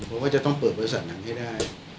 เพราะว่าจะต้องเปิดบริษัทหนังให้ได้